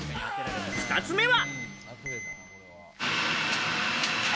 ２つ目は。